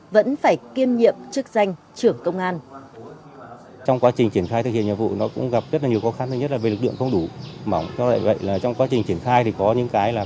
vẫn phải kiêm nhiệm chức danh trưởng công an